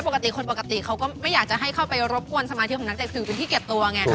ปกติคนปกติเขาก็ไม่อยากเข้าไปรบกวนสมาธิขึ้นที่เก็บตัวไง